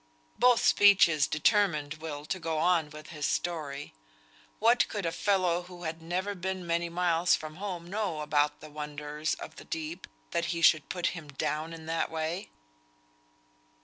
Both speeches determined Will to go on with his story. What could a fellow who had never been many miles from home know about the wonders of the deep, that he should put him down in that way?